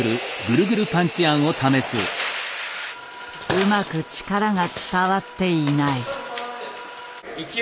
うまく力が伝わっていない。